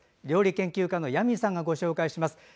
料理研究家のヤミーさんがご紹介します。